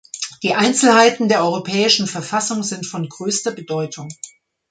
Die Einzelheiten der europäischen Verfassung sind von größter Bedeutung.